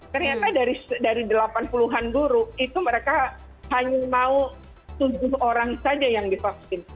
ternyata dari delapan puluh an guru itu mereka hanya mau tujuh orang saja yang divaksin